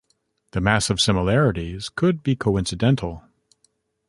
The massive similarities could be coincidental.